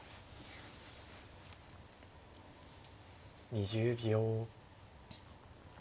２０秒。